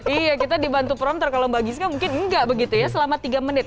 iya kita dibantu prompter kalau mbak giska mungkin enggak begitu ya selama tiga menit